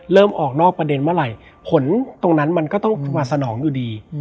ออกนอกประเด็นเมื่อไหร่ผลตรงนั้นมันก็ต้องมาสนองอยู่ดี